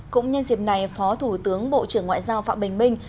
cũng nhân dịp này phó thủ tướng bộ trưởng ngoại giao phạm bình minh